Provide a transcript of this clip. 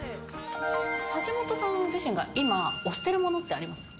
橋本さん自身が今、推してるものってありますか。